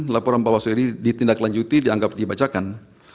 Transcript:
laporan bawaslu ini ditindaklanjuti dianggap dibacakan